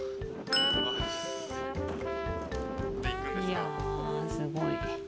いやすごい。